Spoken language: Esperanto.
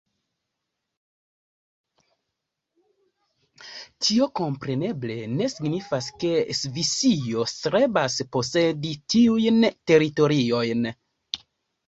Tio kompreneble ne signifas, ke Svisio strebas posedi tiujn teritoriojn.